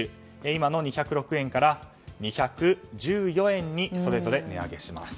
今の２０６円から２１４円にそれぞれ値上げします。